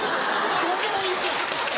「どうでもいいです！